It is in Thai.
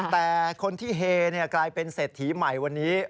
แต่คนที่เฮกลายเป็นเศรษฐีใหม่วันนี้